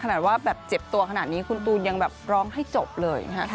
ขนาดว่าเจ็บตัวขนาดนี้คุณตูนยังร้องให้จบเลย